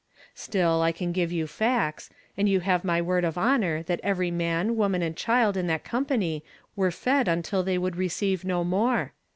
Still, I can give you facts ; and you have my word of honor that every man, woman, and child in that company were fed until they would receive no more.